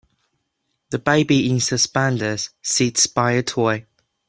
The baby in suspenders sits by a toy.